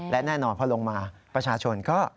และแน่นอนพอลงมาประชาชนก็